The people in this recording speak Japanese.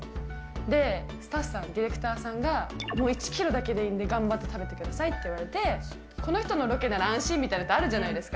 で、スタッフさん、ディレクターさんが、もう１キロだけでいいんで、頑張って食べてくださいって言われて、この人のロケなら安心！みたいなのってあるじゃないですか。